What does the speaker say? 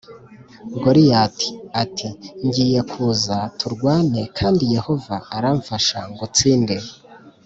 Goliyati ati ngiye kuza turwane kandi yehova aramfasha ngutsinde